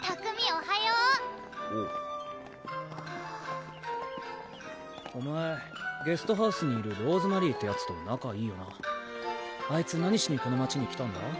おはようおうお前ゲストハウスにいるローズマリーってヤツと仲いいよなあいつ何しにこの街に来たんだ？